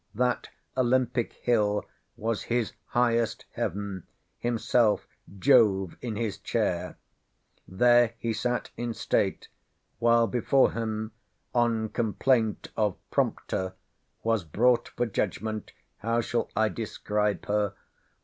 That Olympic Hill was his "highest heaven;" himself "Jove in his chair." There he sat in state, while before him, on complaint of prompter, was brought for judgment—how shall I describe her?